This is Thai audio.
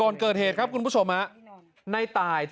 นี่แหลมไม่ตัดใหม่เลย